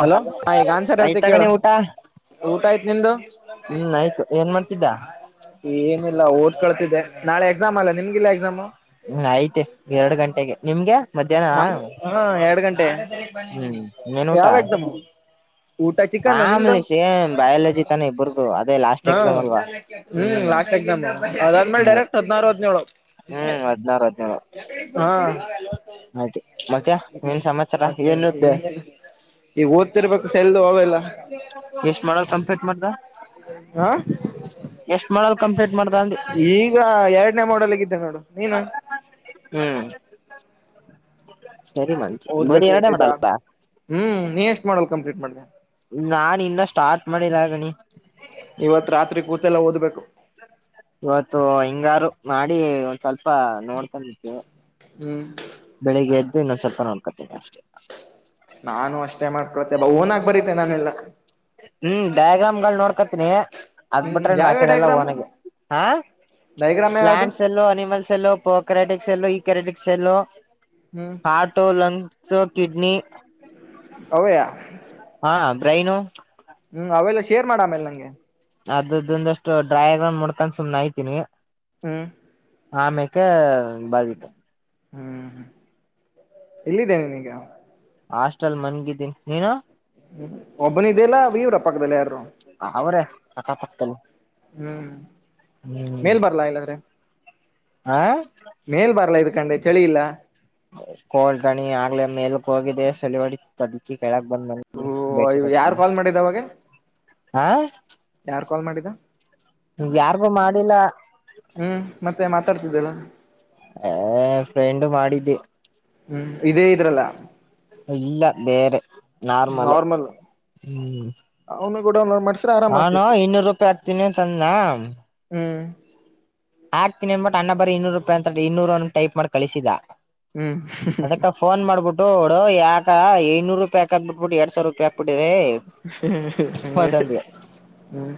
Hello ಹಾ ಈಗ answer ಹೇಳ್ತಿ ಆಯತಾ ಕೇಳು ತೊಗೋಳಿ ಊಟ. ಊಟ ಆಯ್ತ್ ನಿಂದು ಹ್ಮ್ ಆಯ್ತು ಏನ್ ಮಾಡ್ತಿದ್ದ. ಏನಿಲ್ಲ ಓದ್ ಕಳ್ತಿದ್ದೆ ನಾಳೆ ಎಕ್ಸಾಮ್ ಅಲ್ಲ ನಿಮಗಿಲ್ಲ ಎಕ್ಸಾಮ್. ಹ್ಮ ಆಯ್ತೆ ಎರಡು ಗಂಟೆಗೆ ನಿಮ್ಗೆ. ಮಧ್ಯಾಹ್ನ ನಮ್ಮ ಹಾ ಎರಡ್ ಗಂಟೆ ಹ್ಮ್ ಏನ್ ಊಟ ಯಾವಾ ಎಕ್ಸಾಮ್? ಊಟಾ ಚಿಕನ್ ನಿಮ್ದ?............... ಮಾಮೂಲಿ ಸೇಮ್ ಬಯಾಲಜಿ ತಾನೆ ಇಬ್ಬರ್ದು ಅದೇ ಲಾಸ್ಟ್ ಹಾ ಎಕ್ಸಾಮ್ ಅಲ್ವಾ ಹ್ಮ ಹ್ಮ್ ಲಾಸ್ಟ್ ಎಕ್ಸಾಮ. ಅದಾದ್ಮೇಲೆ ಡೈರೆಕ್ಟ್ ಹದ್ನಾರು ಹದಿನೇಳು..... ಹ್ಮ್ ಹದ್ನಾರು ಹಾ ಆಯ್ತ ಹ್ಮ ಮತ್ತೆ ಈಗ.... ಓದ್ತಿರ್ಬೇಕು ಸೆಲ್ದು ಹಲ್ಲ ಎಷ್ಟ್ ಮಾಡಲ್ ಕಂಪ್ಲೀಟ್ ಮಾಡ್ದ. ಹಾ ಎಷ್ಟ್ ಮಾಡಲ್ ಕಂಪ್ಲೀಟ್ ಮಾಡ್ದ. ಈಗ ಎರಡನೇ ಮಾಡಲ್ಗಿದ್ದೇ ನೋಡು. ನೀನು ಹ್ಮ್......... ಸರಿ ಮನ್. ಓದ್ಬೇಕ ಐತೆಜಾ ಹ್ಮ್ ನೀ ಎಷ್ಟ್ ಮಾಡಲ್ ಕಂಪ್ಲೀಟ್ ಮಾಡ್ದ. ನಾನ್ ಇನ್ನ ಸ್ಟಾರ್ಟ್ ಮಾಡಿಲ್ಲ ಅಳಡರ್ಲ್ಲಿ. ಇವತ್ ರಾತ್ರಿ ಕೂತೆಲ್ಲ ಓದ್ಬೇಕು. ಇವತ್ತು ಹಿಂಗಾರು ಮಾಡಿ ಒಂದ ಸ್ವಲ್ಪ ನೋಡ್ಕೊಂಡತವಿ. ಹ್ಮ್ ಬೆಳಿಗ್ಗೆ ಎದ್ದು ಇನ್ನೊಂದ ಸ್ವಲ್ಪ ನೋಡ್ಕೊತೇನೆ ಅಷ್ಟೇ. ನಾನು ಅಷ್ಟೇ ಮಾಡ್ಕೊಡ್ತೆೆ ಓನ್ನಾಗಿ ಬರೀತೆ ನಾನೆಲ್ಲ. ಹ್ಮ್ ಡಯಾಗ್ರಾಮ್ಗಳು ನೋಡ್ಕತನಿ. ಹ್ಮ್ ಅದಬಿಟ್ರೇ ಇನ್ನ ಯಾವ್ಯಾವ ಬಾಕಿದೆಲ್ಲ ಡೈಗ್ರಾಮ್ ಓನಗೆ ಹಾ ಡೈಗ್ರಾಮ್ ಯಾವ್ದು plant cell animal. Cell prokaryotic cell eukaryotic cell. ಹ್ಮ ಹಾರ್ಟ ಲಂಗ್ಸ್ ಕಿಡ್ನಿ. ಅವೆಯ. ಹಾ ಬ್ರೈನ್. ಹ್ಮ್ ಅವೆಲ್ಲ ಶೇರ್ ಮಾಡು ಆಮೇಲೆ ನನಗೆ. ಅದ್ರದೊಂದುಅಷ್ಟು ಡ್ರಾಯಾಗ್ರಾಂ ನೋಡ್ಕೊಂಡು ಸುಮನೆ ಐತಿನಿ. ಹ್ಮ್ ಅಮೆಕೆ [unintelligible] ಹ್ಮ್ ಹ್ಮ್ ಎಲ್ಲಿದ್ದೇನೆ ನೀನು ಈಗ. ಹಾಸ್ಟೆಲ್ ಮನ್ಗಿದ್ದೀನಿ ನೀನು. ಒಬ್ಬನ ಇದಿಯಾ ಇಲ್ಲ ಇವ್ರ ಪಕ್ಕದಲ್ಲಿ ಯಾರು. ಅವ್ರೇ ಅಕ್ಕಾ ಪಕ್ಕದಲ್ಲಿ ಹ್ಮ್ ಮೇಲ್ ಬರ್ಲ ಇಲ್ಲಾಂದ್ರೆ. ಹ ಮೇಲ್ ಬರ್ಲ ಇದಕಂಡೆ ಚಳಿ ಇಲ್ಲ. ಲೋ ಗಣಿ ಆಗ್ಲೆ ಮೇಲಕ್ ಹೋಗಿದೆ ಸಳಿವಡಿ. ಅದಿಕ್ಕೆ ಕೇಳಕ್ ಬಂದ ಓ ಬೀಡಿಶೀಟ್ ಯಾರ್ ಎತ್ಕೊಂಡು. ಕಾಲ್ ಮಾಡಿದ್ದ ಅವಾಗ ಹಾ ಯಾರ್ ಕಾಲ್ ಮಾಡಿದ್ದ ಯಾರ್ಗು ಮಾಡಿಲ್ಲ. ಹ್ಮ್ ಮತ್ತೆ ಮಾತಾಡ್ತಿದ್ದಲ್ಲ. ಹೇ ಫ್ರೆಂಡ್ ಮಾಡಿದ್ದಿ. ಹ್ಮ್ ಇದೇ ಇದ್ರಲ್ಲ. ಇಲ್ಲ ಬೇರೆ ನಾರ್ಮಲ್ ಹ್ಮ. ಅವ್ನು ಕೂಡ ಮಾಡ್ಸಿ. ನಾನು ಇನ್ನೂರು ರೂಪಾಯಿ ಹಾಕ್ತೀನಿ ಅಂತಂದ. ಹ್ಮ್ ಆಗ್ತೀನಿ ಅನ್ನಿಬಿಟ್ಟು ಅಣ್ಣ ಬರಿ ಇನ್ನೂರು ರೂಪಾಯಿ ಅಂತ ಇನ್ನೂರ ಅಂತ ಟೈಪ್ ಮಾಡಿ ಕಳಿಸಿದ. ಹ್ಮ್ ಅದಕ್ಕ ಫೋನ್ ಮಾಡಬಿಟ್ಟು ಓಡೋ ಯಾಕ ಐನ್ನೂರು ರೂಪಾಯಿ ಹಾಕೋದು ಬಿಟ್ಟುಬಿಟ್ಟು ಎರಡ್ ಸಾವಿರ ರೂಪಾಯಿ. ಹಾಕಿಬಿಟ್ಟಿದಿ ಹಂಗೆ ಅಂತದಿ. ಹ್ಮ್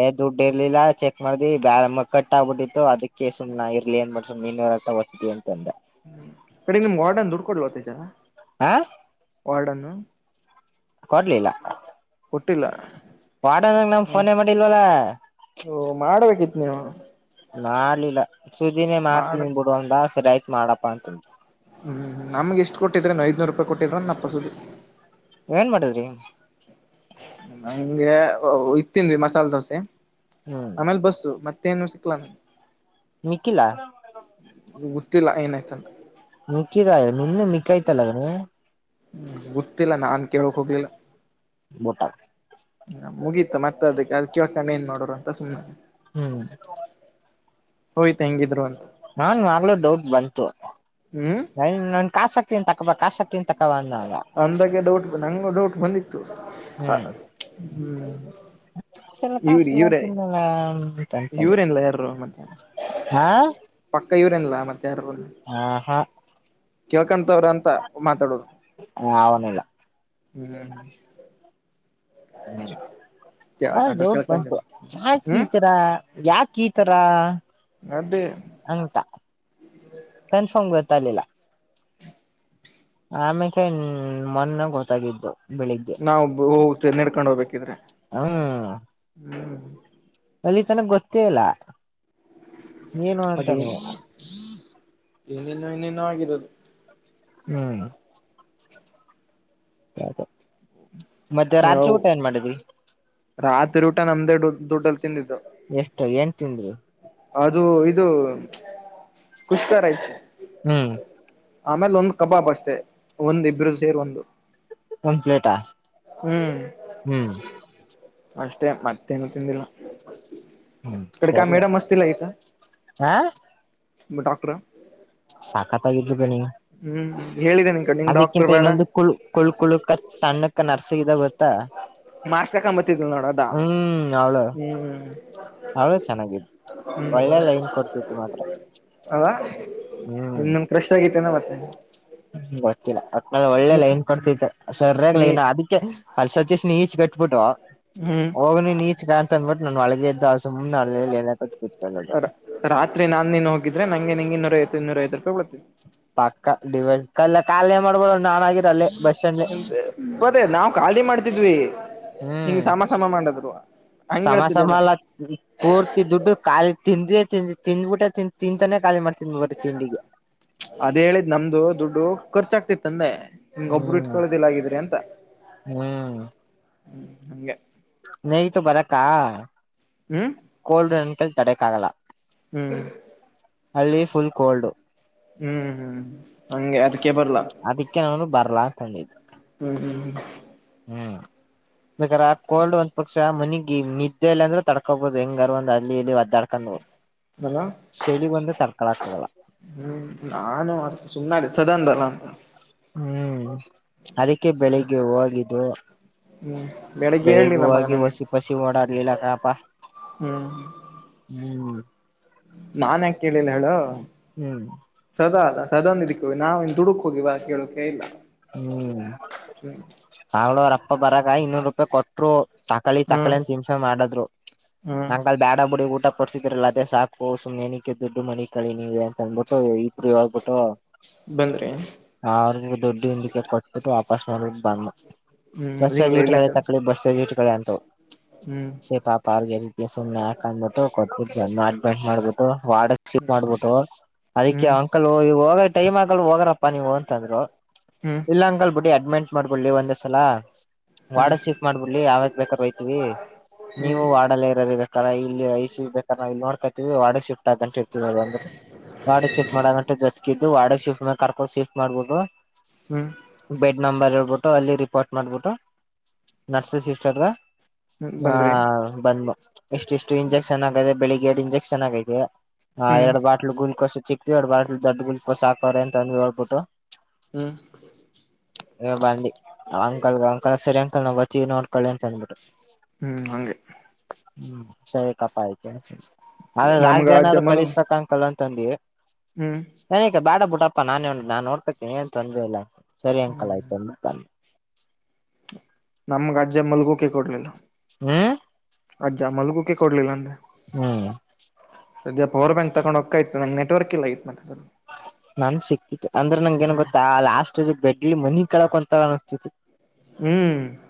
ಏ ದುಡ್ಡು ಇರ್ಲಿಲ್ಲ ಚೆಕ್ ಮಾಡ್ದಿ ಬ್ಯಾರ. ಕಟ್ ಆಗ್ಬಿಟ್ಟಿತ್ತು ಅದಕ್ಕೆ ಸುಮ್ನ ಇರ್ಲಿ ಅಂತ ಸುಮ್ನೆ ಇನ್ನೂರು ರೂಪಾಯಿ ಒತ್ತಿದ್ದಿ ಅಂತ ಅಂದ. ನಿಮ್ ವಾರ್ಡನ್ ದುಡ್ಡು ಕೊಡಲ್ವಾ [unintelligible] ಹಾ ವಾರ್ಡನ್ನು. ಕೊಡ್ಲಿಲ್ಲ. ಕೊಟ್ಟಿಲ್ಲ. ವಾರ್ಡನ್ಗೇ ನಾನು ಹ್ಮ್ ಫೋನೇ ಮಾಡಿಲ್ವಲ್ಲ. ಮಾಡ್ಬೇಕಿತ್ ನೀವು ಮಾಡ್ಲಿಲ್ಲ ಸೂದಿನೇ ಮಾಡ ಮಾಡ್ತೀನಿ ಬಿಡು ಅಂದ ಸರಿ ಆಯ್ತು ಮಾಡಪ್ಪಾ ಅಂತ. ಹು ನಮಗೆ ಎಷ್ಟು ಕೊಟ್ಟಿದ್ದೆನ ಐನೂರು ರುಪಾಯಿ ಕೊಟ್ಟಿದ್ರೆನ ಫ್ರಿಸ್ಟ್ ಸತಿ. ಏನ್ ಮಾಡಿದ್ರಿ. ನಂಗೆ ಇದು ತಿಂದ್ವಿ ಮಸಾಲೆ ದೋಸೆ ಹ್ಮ್ ಆಮೇಲೆ ಬಸ್ಸು ಮತ್ತೆ. ಮತ್ತೆ ಏನು [unintelligible] ನಿಕಿಲಾ ಗೊತ್ತಿಲ್ಲಾ ಏನಾಯಯ್ತಂತ. ನಿಕಿಿತ ನಿು ಮಿಕ ಇಿತ ಲಗ್ನ [unintelligible] ಹ್ಮ್, ಗೊತ್ತಿಲ್ಲ ನಾನು ಕೇಳಕ್ ಹೋಗ್ಲಿಲ್ಲ. ಬೂಟ ಮುಗೀತ ಮತ್ತ ಅದಕ್ಕೆ ಅಲ್ಲಿ ಕೋಣ [unintelligible] ಏನ್ ಮಾಡೋರು ಅಂತ ಸುಮ್ಮನೆ ಹ್ಮ್, ಹೋಯ್ತ ಹೆಂಗಿದ್ರು ಒಂದ ನಾನ ಆಗ್ಲೂ ಡೌಟ್ ಬಂತು. ಹ್ಮ್ ನನ್ ಕಾಸಾಕ್ತಿನಿಅಂತ ತಕಂಬಾ ಕಿಸಾಕ್ತಿನ್ ತಗೋ ಅಂತ. ಅಂದಾಗೆ ಡೌಟ್ ಬ ನಂಗು ಡೌಟ್ ಬಂದಿತ್ತು. ಹ್ಮ್ ಲ್ಲ ಇವ್ರ ಕಾಶೆಲ್ಲ ಇವ್ರೇ ತಿನ್ನಲ್ಲ ಅಂತತದೆ ಇವ್ರೇನ್ಲ ಯಾರು ಮತ್ತೆ [unintelligible] ಹಾ, ಪಕ್ಕ ಇವ್ರಲ್ಲಾ ಮತ್ತೆ ಯಾರ ಆ ಹಾ ಕೇಳ್ಕಂತವ್ರ ಅಂತ ಮಾತಾಡೋದು. ಹ ಅವನಿಲ್ಲ [unintelligible] ಹ್ಮ್, ಹ್ಮರಿ [inaudible] ಹಾ, ಕೇಳ್ಕೊಂಡ್ರ ಡೌಟ ಕೇಳ್ಕೊಂಡ್ರ ಬಂತು ಯಾಕ ಹ್ಮ್ ಈತರ ಯಾಕ ಈತರ ಅದೇ [unintelligible] ಅಂತ ಕನ್ಫರ್ಮ್ ಗೊತ್ತಾಗಲಿಲ್ಲ. ಆಮೇಕ ಮೊನ್ನೆ ಗೊತ್ತಾಗಿದ್ದು. ಬೆಳಿಗ್ಗೆ ನಾವು ಹೋಗ್ತೇ [unintelligible] ನೆರ್ಕೊಂಡ್ ಹೋಗ್ಬೇಕಿದ್ರೆ ಹ್ಮ್ ಹ್ಮ ಅಲ್ಲಿ ತನ ಗೊತ್ತೇ ಇರಲ್ಲಿಲ್ಲಾ ಅದೇನು, ಏನನ್ನು ಇನೇನು ಆಗಿರದು. ಹ್ಮ್, ಮತ್ತೆ ರಾತ್ರಿ ನಾವು ಊಟ ಏನ್ ಮಾಡಿದಿ. ರಾತ್ರಿ ಊಟ ನಮ್ದೇ ಡ್ ದುಡ್ಡಲ್ಲಿ ತಿಂದಿದ್ದು. ಎಷ್ಟು ಏನ್ ತಿಂದ್ರಿ ಅದು ಇದು ಕುಷ್ಕಾರೈಸ ಹ್ಮ್, ಆಮೇಲೆ ಒಂದ್ ಕಬಾಬ್ ಅಷ್ಟೇ ಒಂದ್ ಇಬ್ಬರು ಸೇರ್ ಒಂದು. ಒಂದ್ ಪ್ಲೇಟಾ ಹ್ಮ್, ಅಷ್ಟೆ ಮತ್ತೇನು ತಿಂದಿಲ್ಲಾ. ಹ್ಮ್ ಕಡೆ ಕ ಸರಿ ಮೇಡಮ್ ಅತಿಲ್ಲ ಇತ ಹ ಡಾಕ್ಟರ [unintelligible] ಸಾಕತ್ತಾಗಿದರು ಗಣಿ ಹ್ಮ್, ಹೇಳಿದ್ದೇನೆ ಅದಕ್ಕಿಂತ ಇನ್ನೊಂದು ಕುಳ್ ಕುಳ್ ಕುಳಕ ಸಣ್ಣಕ್ಕ ನರ್ಸಗಿದ ಗೊತ್ತಾ ಮಾರ್ಕಂಬತ್ತಿದ [unintelligible] ಲ್ ನೋಡ ಅದಾ ಹ್ಮ್ ಅವಳು ಹ್ಮ್ ಅವಳು ಚೆನ್ನಾಗಿದ್ ಒಳ್ಳೆ ಹ ಲೈನ್ ಕೊಡ್ತಿತ್ತು ಮಾತ್ರ [inaudible] ಅವಾ ಹ್ಮ್ ಇನ್ಮ್ ಕ್ರೆಶ್ ಆಗಿತೇನ ಮತ್ತೆ. ಗೊತ್ತಿಲ್ಲ ಒಟ್ನಲ್ಲಿ ಒಳ್ಳೆ ನೀ ಲೈನ್ ಕೊಡ್ತೈತೆ ಸರ್ಯಾಗ ನೀ ಲೈನ್ ಅದಕ್ಕೆ ಸತ್ತೀಶನ ಈಚ ಕಟ್ಬಿಟ್ಟು ಹ್ಮ್ ಹೋಗನಿ ನೀಚಗಾ ಅಂತ ಅಂದಬಿಟ್ಟು ನಾನು ಒಳಗೆ ಇದ್ದ ಸುಮ್ನೆ ಅ ಏನಕ ಕತ್ಕಲ್ಲದು. ರಾತ್ರಿ ನಾನ ನೀನ್ ಹೋಗಿದ್ರೆ ನಂಗೆ ನಿಂಗೆ ಇನ್ನೂರೈವತ್ತು ಇನ್ನೂರೈವತ್ತ ರೂಪಾಯಿ ಕೊಡ್ತೀವಿ. ಪಕ್ಕ ಡಿವೈಡ್ ಕ ಕಾಲೆ ಮಾಡಬಿಡು ನಾನ [unintelligible] ಪದೇ ನಾವು ಖಾಲೀ ಮಾಡ್ತಿದ್ವಿ. ಹ್ಮ್ ಹಿಂಗ್ ಸಮ ಸಮ ಮಾಡಿದ್ರು ಹಂಗೆ ಸಮ ಹೇಳ್ತಿದ್ದೇ ಸಮ ನ ಅಲ್ಲ ಪೂರ್ತಿ ದುಡ್ಡು ಖಾಲಿ ತಿಂದ್ರೆ ತಿಂದಿ ತಿಂದ್ಬಿಟ್ಟೆ ತಿನ್ ತಿಂತಾನೇ ಖಾಲಿ ಮಾಡ್ತನ್ ಬರೀ ತಿಂಡಿಗೆ. ಅದೇ ಹೇಳಿದ್ ನಮ್ದು ದುಡ್ಡು ಖರ್ಚಾಗ್ತಿತ್ತಂದೆ. ಹಿಂಗ ಒಬ್ಬರು ಹ್ಮ್ ಇಟ್ಕೊಳೋದಿಲ್ಲ ಗಿದ್ರ ಅಂತ ಹ್ಮ್ ಹ್ಮ್ ಹಂಗೆ. ನೈಟ್ ಬರಕಾ. ಹ್ಮ. ಕೋಲ್ಡ್ ಅಂತು ತಡೆಕ್ ಆಗಲ್ಲ ಹ್ಮ್ ಹಳ್ಳಿ ಫುಲ್ ಕೋಲ್ಡು. ಹ್ಮ್ ಹ್ಮ್ ಹಂಗೆ ಅದಕ್ಕೆೇ ಬರ್ಲ. ಅದಕ್ಕೆ ನಾನು ಬರ್ಲಾ ಅಂತಂದಿದ್ದು ಹ್ಮ ಹ್ಮ. ಹ್ಮ್. ಬೇಕಾದ್ರ ಆ ಕೋಲ್ಡ್ ಒಂದ ಪಕ್ಷ ಆ ಮನಿಗಿ ನಿದ್ದೆಲ್ಲ ಅಂದ್ರೆ ತಡ್ಕೋಬಹುದು ಹೆಂಗಾರ ಒಂದ ಅಲ್ಲಿ. ಕನ್ನೂರ್ ಹ್ಮ್ ಅಲ್ಲ ಶಳಗಿ ಒಂದು ತಳಕಕ ಆಗಲ್ಲ. ಹ್ಮ್ ನಾನು ಸುಮನ ಸದನ್ದಲ್ಲ ಅಂತ. ಹ್ಮ್ ಅದಕ್ಕೆ ಬೆಳಿಗ್ಗೆ ಹೋಗಿದ್ವ. ಹ್ಮ್ ಬೆಳಿಗ್ಗೆ ಬೆಳಗೆ ಹೇಳಲಿಲ್ಲ ಮಗ ಹೋಗಿ ನನ್ ಹೊಸಿ ಪಸಿ ಓಡಾಡ್ಲಿಲ್ಲ ಕಣಪ್ಪ. ಹ್ಮ್. ಹ್ಮ್. ನಾನ್ ಯಾಕ ಕೇಳಿಲಿಲ್ಲ ಹೇಳು. ಹ್ಮ್. ಸದಾ ಅದಾ ಸದಾನ್ ಇದಿಕ್ಕವಿ ನಾವನ್ ದುಡುಕ ಹೋಗಿವ ಕೇಳೋಕ್ಕೆೆ ಇಲ್ಲ. ಹ್ಮ್ ಅವಳ ಅವ್ರ ಅಪ್ಪ ಬರಕ ಇನ್ನೂರು ರೂಪಾಯಿ ಕೊಟ್ಟ. ಟ್ರೂ ತಕಳಿ ಹ್ಮ್ ತಕಳಿ ಹಿಂಸೆ ಮಾಡಿದ್ರು ಹ್ಮ್ ಬೇಡ ಬುಡಿ ಊಟ ಕೊಡ್ಸಿದ್ರಲ್ಲ ಅದೇ ಸಾಕು ಸುಮನೆ ನೆನಕ್ಕೆ ದುಡ್ಡು ಮನ್ಕಳಿ ನೀವು ಅಂತ ಅನ್ಬಿಟ್ಟು. ಇಬ್ರು ಇವಾಗ ಬಿಟ್ಟು. ಬಂದರಿ. ಆಗ ದುಡ್ಡು ಹಿಂದಕ್ಕೆ ಕೊಟ್ಬಿಟ್ಟು ವಾಪಸ್ ಹ್ಮ್ ರಿಂಗ್ಲ ಇಲ್ಲ [unintelligible] [unintelligible] ಹ್ಮ್. ಸೇ ಪಾಪ ಪಾರಗ [unintelligible] ಸುಮ್ನೆ ಹಾಕಂದ್ಬಿಟ್ಟು ಕೊಟ್ಬ ಮಾಡ ಮಾಡ್ಬಿಟ್ಟು ಆಯಿಲ್ ವಾರ್ಡನ್ ಚಿಕ್ ಮಾಡ್ಬಿಟ್ಟು. ಅದಕ್ಕೆ ಹ್ಮ್ ಅಂಕಲ್ ಈ ಹೋಗ ಟೈಮ್ ಆಗಲ್ ಹೋಗಾರಪ್ಪಾ ನೀವು ಅಂತಂದ್ರು. ಹ್ಮ. ಇಲ್ಲ ಅಂಕಲ್ ಬಿಡಿ ಅಡ್ಮೆಂಟ್ ಮಾಡ್ಬಿಡ್ಲಿ ಒಂದೇ ಸಲ. ಹ್ಮ್ ವಾರ್ಡ್ ಶೀಫ್ಟ್ ಮಾಡ್ಬಿಡ್ಲಿ ಯಾವಾಗ ಬೇಕಾದಾರ ಹೋಯ್ತಿವಿ ಹ್ಮ್ ನೀವು ವಾರ್ಡಲಿ ಇರ ಕ ಇಲ್ಲಿ ಐಸಿ ಬೇಕರ ನಾವು ಇಲ್ಲಿ ನೋಡಕೋತಿವಿ ವಾರ್ಡನ್ ಶಿಫ್ಟ್ [unintelligible] ವಾರ್ಡ್ ಶಿಫ್ಟ್ ಮಾಡಗಂಟ ಜೊತೆಗ ಇದ್ದು ವಾರ್ಡ್ ಶಿಫ್ಟ್ ಕರಕೊಂಡ ಶಿಫ್ ಮಾಡಬೋದು. ಹ್ಮ. ಬೆಡ್ ನಂಬರ್ ಹೇಳ್ಬಿಟ್ಟು ಅಲ್ಲಿ ರಿಪೋರ್ಟ್ ಮಾಡ್ಬಿಟ್ಟು ನರ್ಸಸ್ [unintelligible] ಹಾ ಬಂದ್ರಿ ಬಂದ್ ಎಸ್ಟಿಸ್ಟು ಇಂಜೆಕ್ಷನ್ ಆಗದೆ ಬೆಳಿಗ್ಗೆ ಎಡ್ ಇಂಜೆಕ್ಷನ್ ಆಗೈದೇ. ಹಾ ಹ್ಮ್ ಎರಡ್ ಬಾಟ್ಲ್ ಗುಲ್ಕೋಸ ಆಕ್ಸಿವಿ ಎರಡ ಬಾಟ್ಲ್ ದೊಡ್ಡ ಗುಲ್ಕೋಸ್ ಹಕೋರ ಅಂತಂದ ಹೇಳ್ಬಿಟ್ಟು. ಹ. ಇವಾಗ ಬಂದಿ ಅಂಕಲ್ ಅಂಕಲ್ ಸರಿ ಅಂಕಲ್ ನಾವು ಹೊತ್ತವಿ ನೋಡ್ಕೊಳ್ಳಿ ಅಂತ ಅಂದ್ಬಿಟ್ಟು. ಹ್ಮ್ ಹಂಗೆ. ಹ್ಮ್ ಸರಿ ಕಪ್ಪ ಆಯ್ತ ಆದ್ರ ನಮ್ಗ ರಾಜ್ದ ಆ ನಾದ್ರು ಜಮ್ಮನು ಕಳಿಸ್ಬೇಕಂಗಅಂಕಲ್ ಅಂತ ಅಂದುವಿ ಕಲ್ವಂತಂದ್ವಿ. ಹ್ಮ್, ನನಕ್ಕೆ ಬೇಡ ಬಿಟ್ಟಪ್ಪ ನಾನೇ ನಾ ನೋಡ್ಕತ್ತೀನಿ ಏನ್ ತೊಂದರೆ ಇಲ್ಲ ಸರಿ ಅಂಕಲ್ ಆಯತ ಅಂದೆ. ನಮ್ಮ್ಗೆ ಅಜ್ಜ ಮಲ್ಗೋಕೆ ಕೊಡ್ಲಿಲ್ಲಾ ಹ್ಮ [inaudible] ಅಜ್ಜ ಮಲ್ಲಗೂಕ್ಕೆ ಕೊಡ್ಲಿಲ್ಲ ಅಂದೆ ಹ್ಮ್, ಸದ್ಯ ಪವರ್ ಬ್ಯಾಂಕ್ ತಗೊಂಡಹೋಗ್ತಾ ಇತ್ತ ನೆಟ್ವರ್ಕಇಲ್ಲ ಐತ್ ನನ್ಗ ಸಿಕ್ತಿತ್ತು ಅಂದ್ರೆ ನಂಗ ಏನ್ ಗೊತ್ತಾ ಲಾಸ್ಟ್ ಬೆಡ್ಲಿ ಮನಿ ಕೆಳಕೊಂತರ ಅನಿಸ್ತಿತ. ಹ್ಮ್,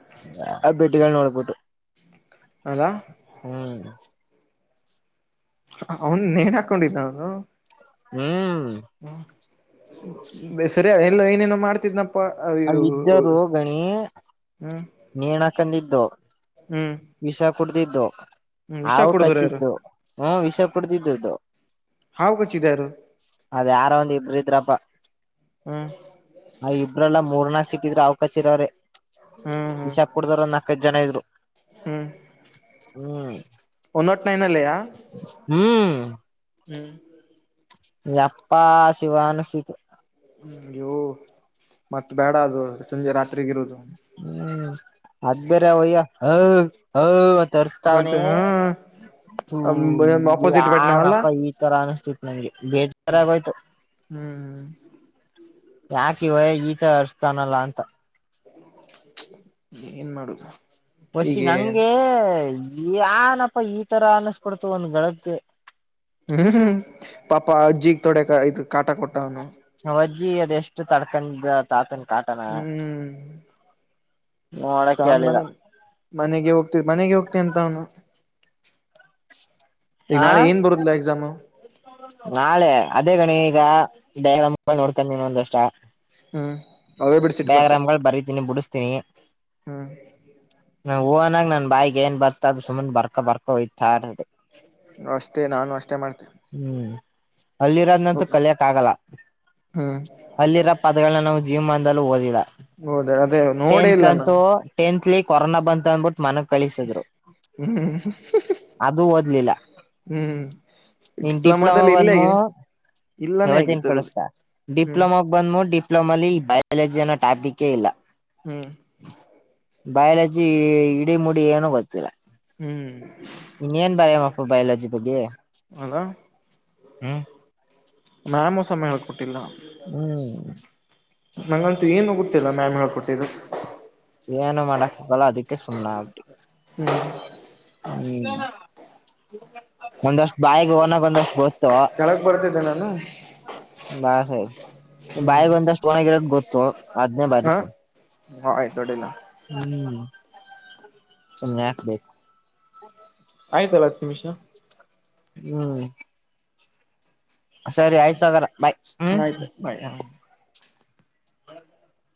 ಆ ಬೆಟ್ಟಗಳು ನೋಡ್ಬಿಟ್ಟು [unintelligible] ಅಲಾ [inaudible] ಹ್ಮ್, ಅವ್ನ್ ನೇನ್ ಹಾಕೊಂಡಿದ್ದನ ಅವನು. ಹ್ಮ್. [inaudible] ಹ್ಮ, ಸರಿಯ ಎಲ್ಲ ಏನೇನೋ ಮಾಡ್ತಿದ್ನಪ್ಪ ಅಲ್ಲ ಅಯ್ಯೋ ಇದ್ದವರು ಗಣಿ ಹ್ಮ್ ನೇಣ ಹಾಕೊಂಡಿದ್ದು ಹ್ಮ್ ವಿಷ ಕುಡ್ದಿದ್ದು, ಹ್ಮ್ ವಿಷ ಹಾವು ಕುಡುದ್ರು ಯಾರು ಕಚ್ಚಿದ್ದು. ಹಾ ವಿಷ ಕುಡ್ದೀದ್ದು. ಹಾವುಕಚ್ಚಿದ್ದಾರು? ಅದ ಯಾರೋಒಂದ್ ಇಬ್ಬರು ಇದ್ರಪ್ಪ. ಹ್ಮ್, ಹ ಇಬ್ರಲ್ಲ ಮೂರ್ನಾಕ ಸಿಕ್ಕಿದ್ರೆ ಹಾವ್ ಹ್ಮ್ ಹ್ಮ್ ಕಚ್ಚಿದವರೆವಿಷಕ್. ಕುಡದಾರ ಒಂದು ನಾಕೈದ ಜನ ಇದ್ದರು. ಹ್ಮ್ ಒಂದ ನಾಟ್ ನೈನ್ ಅಲ್ಲಿಯಾ. - ಹ್ಮ್, [unintelligible] ಯಪ್ಪ ಶಿವ ಅನಿಸಿತ ಹ್ಮ್, ಇವು ಮತ್ತ ಬೇಡ ಅದು ಸಂಜೆ ರಾತ್ರಿಗಿರುದು. ಹ್ಮ್ ಅದ ಬೇರೆ ಅವಯ್ಯ [unintelligible] ಹ ಹ್ ಅರತರ್ವಣಿ ಮತ್ತ ಹ, ಹಾ ಈ ಆಪೋಸಿಟ್ ಬೆಡ್ ನಾವಲ್ಲ ಯಾರಪ್ಪ ಈ ತರ ಅನಸ್ತಿತ್ತು ನಂಗೆ ಬೇಜಾರಾಗೋಯ್ತು. ಹ್ಮ್ ಯಾಕ ಈವಯಾ ಈತರ ಅರರ್ಸ್ತಾನಲ್ಲಾ ಅಂತ. [unintelligible] ಏನ್ ಮಾಡುವುದು ಹೊಸಿ ನಂಗೆ ಯನಪಾ ಈ ತರ ಅನಸ್ಬೂಡ್ತು ಒಂದ್ ಗಳಗ್ಗೆ. ಹ್ಮ್, ಹ್ಮ್ ಪಾಪಾ ಅಜ್ಜಿಗ್ ತೊಡೆ ಇ ಕಾಟ ಕೊಟ್ಟ ಅವ್ನು. ಆವಜ್ಜಿ ಅದೆ ಎಷ್ಟು ತಡ್ಕಂದ ತಾತನ್ ಕಾಟನ. ಹ್ಮ್ ನೋಡಕ್ ತನ್ ಹೇಳಿಲ್ಲ ಮನೆ ಮನೆಗೆ ಹೋಗ್ತ ಮನೆಗೆ ಹೋಗ್ತ ಅಂತ ಅವನು [unintelligible] ಈಗ ಹಾ ನಾಳೆ ಏನ್ ಬರುದಿಲ್ಲ ಎಕ್ಸಾಮ್? - [unintelligible] ನಾಳೆ ಅದೇ ಗಣಿ ಈಗ ಡಯ್ರಾಮ್ ನೋಡ್ಕೊಂದಿನೀ ಇನ್ನೊಂದಿಷ್ಟ ಹ್ಮ್ ಅವೇ ಬಿಡ್ಸಿಟ್ಟು ಡೈಗ್ರಾಮ್ ಗಳು ಬರೀತೀನಿ ಬಿಡಿಸ್ತೀನಿ. ಹಾ [unintelligible] ನಾ ಓನಾಗ ನನ್ ಬಾಯಗ್ ಏನ್ ಬರ್ತ ಅದು ಸುಮನೆ ಬರ ಬರ್ಕೋಯ್ತಾರದೆ. ಅಷ್ಟೇ, ನಾನು ಅಷ್ಟೇ ಮಾಡ್ತೇನೆ. ಹ್ಮ್ ಅಲ್ಲಿರೋದ್ನಂತೂ ಕಲಿಯಕ್ ಆಗಲ್ಲ. ಹ್ಮ್ ಅಲ್ಲಿರೋ ಪದಗಳನ ನಾವು ಜೀವಮ್ನದಲೂ ಓದಿಲ್ಲ ಹೌದ ಅದೇ ನೋಡೆ ಇಲ್ಲ ನಾವು. ಟಂತ್ಲಿ ಕೊರೋನ ಬಂತ ಅಂದಬುಟ್ಟು. ಮನೆ ಕಳಿಸಿದ್ರು ಹ್ಮ್ ಅದು ಓದ್ಲಿಲ್ಲ. ಹ್ಮ್. ಇನ್ನು ಡಿಪ್ಲೊಮಾ ಡಿಪ್ಲೊಮಾದಲ್ಲಿ ಇಲ್ಲೇ ಬಂದ್ಮಾ ಇಲ್ಲಾನೇ ಹೇಳುತೀನಿ ಆಗಿತ್ತು ಅದು ಕೇಳಿಸ್ಕೊ ಹ್ಮ್ ಡಿಪ್ಲೊಮಾ. ಬಂದ್ಮಾ ಡಿಪ್ಲೊಮಾಲಿ ಬಯಾಲಜಿ ಅನ್ನು ಟಾಪಿಕೇ ಇಲ್ಲ. ಹ್ಮ್. ಬಯಾಲಜಿ ಇಡೀ ಮುಡಿ ಏನು ಗೊತ್ತಿಲ್ಲ. ಹ್ಮ್. ಇನ್ನೇನ್ ಬರೆಯನಪ್ಪ ಬಯಲಜಿ ಬಗ್ಗೆ. ಅದಾ ಹ್ಮ್ [unintelligible] ಸಮಯ ಯಾಕೆ ಕೊಟ್ಟಿಲ್ಲ. ಹ್ಮ್. ನಂಗಂತು ಏನು ಗೊತ್ತಿಲ್ಲ ಮ್ಯಾಮ್ ಹೇಳ್ಕೊಟ್ಟಿದ್ದು. ಏನು ಮಾಡಕಾಗಲ್ಲ ಅದಕ್ಕೆ ಸುಮ್ಮನೆ ಆದ್ವಿ. ಹ್ಮ್. ಹ್ಮ್ ಒಂದಷ್ಟು ಬಾಯಿಗೆ ಓನಾಗಿ ಒಂದಷ್ಟು. ಗೊತ್ತು ಕೆಳಗ್ ಬರ್ತಿದ್ದೆ ನಾನು ಬಾಯಿಗೆ ಬಂದಷ್ಟು. ಓನ್ಗಿರೋದು ಗೊತ್ತು ಅದನೇ ಹಾ ಬರೀತಿನಿ ಆಯ್ತು ಅಡ್ಡಿಲ್ಲ ಹ್ಮ್ ಸುಮ್ನೆ ಯಾಕೆ ಬೇಕು. ಆಯ್ತಲ್ಲ ಹತ್ತು ನಿಮಿಷ. ಹ್ಮ್ ಸರಿ ಆಯ್ತು ಆಗ್ಯಾರ ಬೈ. ಆಯ್ತು ಬೈ [inaudible]